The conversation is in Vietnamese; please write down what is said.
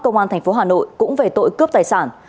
công an tp hà nội cũng về tội cướp tài sản